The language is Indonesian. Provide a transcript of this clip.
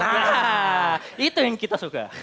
nah itu yang kita suka